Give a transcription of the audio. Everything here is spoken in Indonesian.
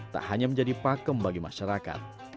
tak hanya menjadi pakem bagi masyarakat